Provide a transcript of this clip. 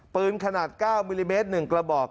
ปืนขนาด๙มิลลิเมตร๑กระบอก